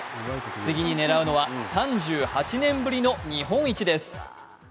次に狙うのは３８年ぶりの日本一です。